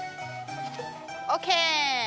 ＯＫ！